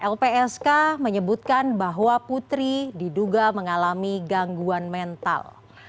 lpsk menyebutkan bahwa putri diduga mengalami gangguan mental